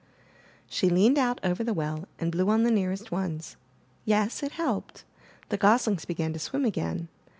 She leaned out over the well and blew on the nearest ones — Yes, it helped — the goslings began to swim again.